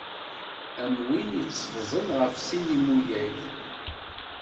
Am win iteffẓen ɣef sin imuyag.